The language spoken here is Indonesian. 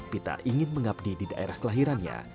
pita ingin mengabdi di daerah kelahirannya